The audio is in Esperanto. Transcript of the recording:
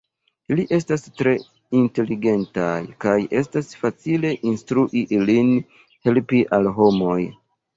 Ili estas tre inteligentaj, kaj estas facile instrui ilin helpi al homoj.